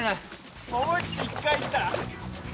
思い切って一回いったら。